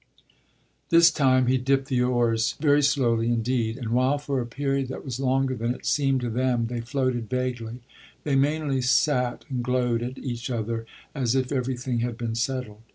This time he dipped the oars very slowly indeed; and, while for a period that was longer than it seemed to them they floated vaguely, they mainly sat and glowed at each other as if everything had been settled.